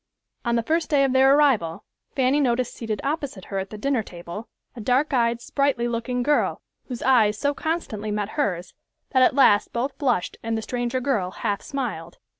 On the first day of their arrival, Fanny noticed seated opposite her at the dinner table, a dark eyed, sprightly looking girl, whose eyes so constantly met hers, that at last both blushed and the stranger girl half smiled.